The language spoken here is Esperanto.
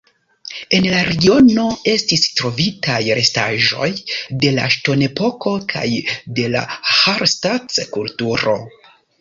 En la regiono estis trovitaj restaĵoj de la ŝtonepoko kaj de la Hallstatt-kulturo.